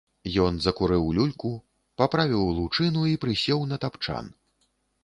Ён закурыў люльку, паправіў лучыну і прысеў на тапчан.